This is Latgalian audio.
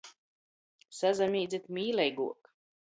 Sasamīdzit mīleiguok.